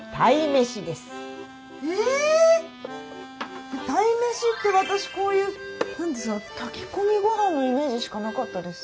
鯛めしって私こういう何ですか炊き込みごはんのイメージしかなかったです。